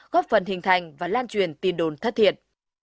góp phần hình thành và lan truyền tin đồn thất thiệt